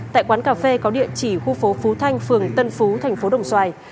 tại quán cà phê có địa chỉ khu phố phú thanh phường tân phú thành phố đồng xoài